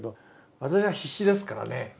私は必死ですからね。